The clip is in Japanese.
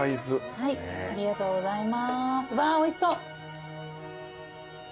わおいしそう。